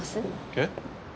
えっ？